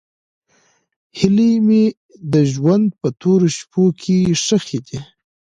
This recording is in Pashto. هیلې مې د ژوند په تورو شپو کې ښخې دي.